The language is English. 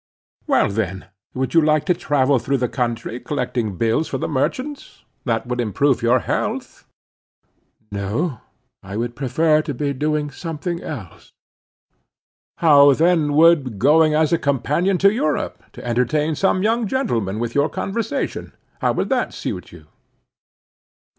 "Well then, would you like to travel through the country collecting bills for the merchants? That would improve your health." "No, I would prefer to be doing something else." "How then would going as a companion to Europe, to entertain some young gentleman with your conversation,—how would that suit you?"